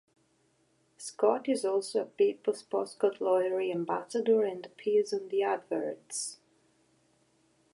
Scott is also a People's Postcode Lottery ambassador and appears on the adverts.